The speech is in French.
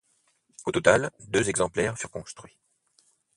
Au total, deux exemplaires furent construits.